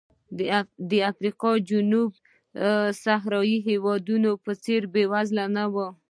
د افریقا جنوبي صحرا هېوادونو په څېر بېوزله نه و.